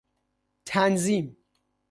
تنظیم